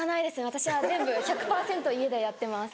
私は全部１００％家でやってます。